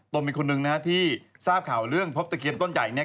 ต้นมีคนหนึ่งที่ทราบข่าวเรื่องพบตะเคียนต้นใหญ่